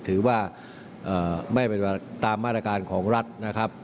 ถือว่าไม่เป็นตามมาตรการของรัฐนะครับ